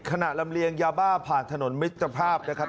ลำเลียงยาบ้าผ่านถนนมิตรภาพนะครับ